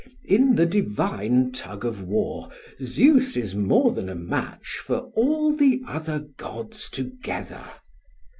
In the divine tug of war Zeus is more than a match for all the other gods together!